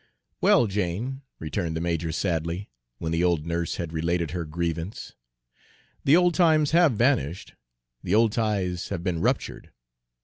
"Well, Jane," returned the major sadly, when the old nurse had related her grievance, "the old times have vanished, the old ties have been ruptured.